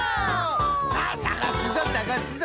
さあさがすぞさがすぞ。